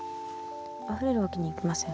「溢れるわけにはいきません